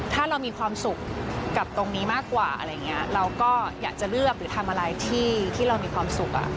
ถ้าเรามีความสุขกับตรงนี้มากกว่าอะไรอย่างนี้เราก็อยากจะเลือกหรือทำอะไรที่เรามีความสุข